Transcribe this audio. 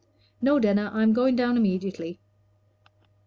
"No, Denner; I am going down immediately."